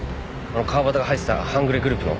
川端が入ってた半グレグループの？